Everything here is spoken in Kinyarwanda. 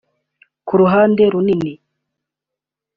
[…] Ku ruhande runini